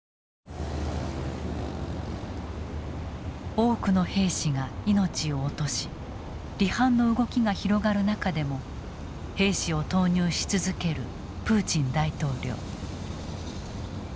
多くの兵士が命を落とし離反の動きが広がる中でも兵士を投入し続けるプーチン大統領。